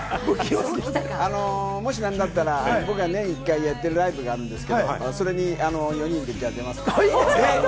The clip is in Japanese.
もしなんだったら、僕は年１回やってるライブがあるんですけれども、それに４人で出ますか？